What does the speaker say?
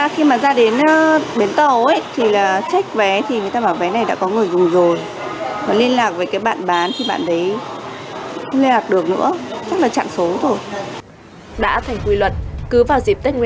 chính vì vậy đã không ít kẻ xấu